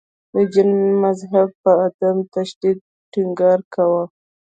د جین مذهب په عدم تشدد ټینګار کاوه.